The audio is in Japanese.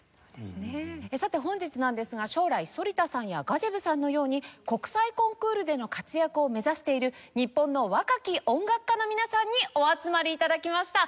さて本日なんですが将来反田さんやガジェヴさんのように国際コンクールでの活躍を目指している日本の若き音楽家の皆さんにお集まり頂きました。